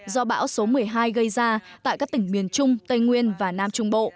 do bão số một mươi hai gây ra tại các tỉnh miền trung tây nguyên và nam trung bộ